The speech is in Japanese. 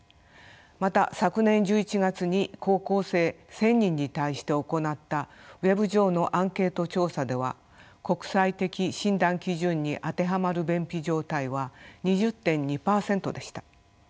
また昨年１１月に高校生１，０００人に対して行ったＷｅｂ上のアンケート調査では国際的診断基準に当てはまる便秘状態は２０．２％でした。